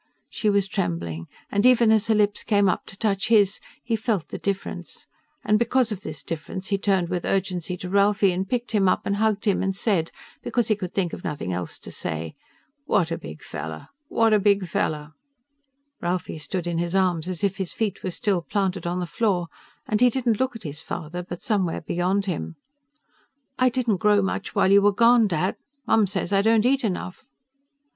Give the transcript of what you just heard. She was trembling, and even as her lips came up to touch his he felt the difference, and because of this difference he turned with urgency to Ralphie and picked him up and hugged him and said, because he could think of nothing else to say, "What a big fella, what a big fella." Ralphie stood in his arms as if his feet were still planted on the floor, and he didn't look at his father but somewhere beyond him. "I didn't grow much while you were gone, Dad, Mom says I don't eat enough."